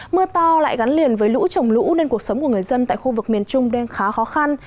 mưa to lại gắn liền với lũ trồng lũ nên cuộc sống của người dân tại khu vực miền trung đang khá khó khăn